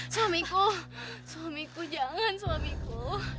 suamiku suamiku jangan suamiku